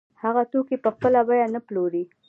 هغه توکي په خپله بیه نه پلوري